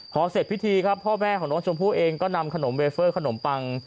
พอเสร็จพิธีครับพ่อแม่ของน้องชมพู่เองก็นำขนมเบเฟอร์ขนมปัง